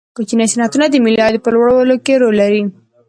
کوچني صنعتونه د ملي عاید په لوړولو کې رول لري.